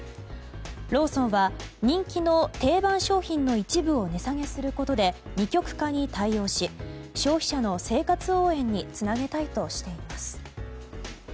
ローソンは人気の定番商品の一部を値下げすることで二極化に対応し消費者の生活応援につなげたいとしています。